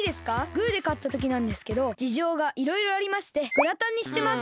グーでかったときなんですけどじじょうがいろいろありましてグラタンにしてます。